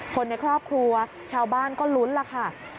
คนในครอบครัวชาวบ้านก็ลุ้นล่ะค่ะ